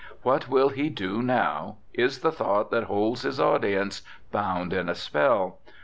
What will he do now? is the thought that holds his audience bound in a spell.